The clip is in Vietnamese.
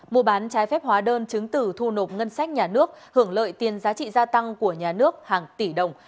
mua bán trái phép hóa đơn chứng từ thu nộp ngân sách nhà nước hưởng lợi tiền giá trị gia tăng của nhà nước hàng tỷ đồng